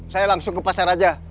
saya langsung ke pasar aja